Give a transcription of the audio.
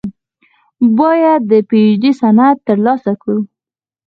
باندې د پې اي چ ډي سند تر السه کړو ۔